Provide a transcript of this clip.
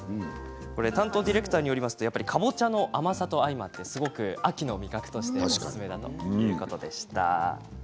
担当ディレクターによりますとかぼちゃの甘さと相まって秋の味覚としておすすめだということでした。